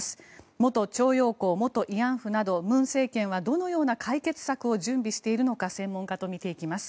元徴用工、元慰安婦など文政権はどのような解決策を準備しているのか専門家と見ていきます。